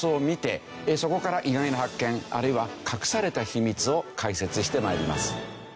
そこから意外な発見あるいは隠された秘密を解説してまいります。